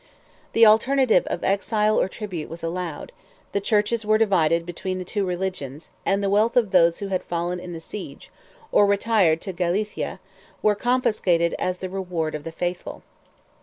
The alternative of exile or tribute was allowed; the churches were divided between the two religions; and the wealth of those who had fallen in the siege, or retired to Gallicia, was confiscated as the reward of the faithful.